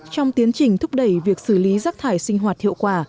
trong tiến trình thúc đẩy việc xử lý rác thải sinh hoạt hiệu quả